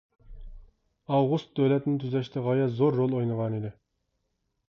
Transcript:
ئاۋغۇست دۆلەتنى تۈزەشتە غايەت زور رول ئوينىغانىدى.